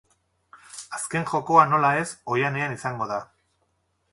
Azken jokoa, nola ez, oihanean izango da.